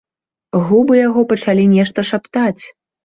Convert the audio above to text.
Губы яго пачалі нешта шаптаць.